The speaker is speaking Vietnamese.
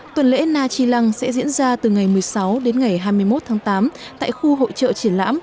tuần lễ na chi lăng sẽ diễn ra từ ngày một mươi sáu đến ngày hai mươi một tháng tám tại khu hội trợ triển lãm